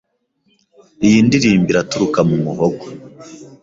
Iyi ndirimbo iraturika mu muhogo